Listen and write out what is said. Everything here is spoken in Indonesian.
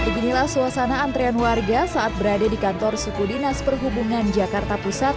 beginilah suasana antrean warga saat berada di kantor suku dinas perhubungan jakarta pusat